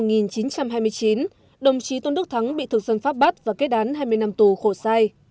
năm một nghìn chín trăm hai mươi chín đồng chí tôn đức thắng bị thực dân pháp bắt và kết đán hai mươi năm tù khổ sai